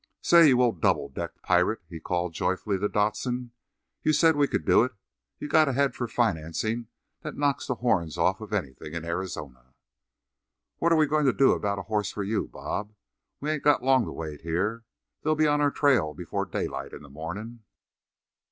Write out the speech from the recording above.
"Say, you old double decked pirate," he called joyfully to Dodson, "you said we could do it—you got a head for financing that knocks the horns off of anything in Arizona." "What are we going to do about a hoss for you, Bob? We ain't got long to wait here. They'll be on our trail before daylight in the mornin'."